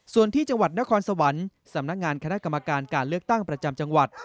ส่วนที่จังหวัดนครสวรรค์สำนักงานคณะกรรมการการเลือกตั้งประจำจังหวัด